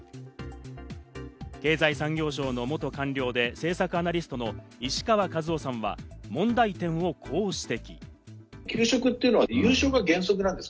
経済産業省の元官僚で、政策アナリストの石川和男さんは問題点をこう指摘。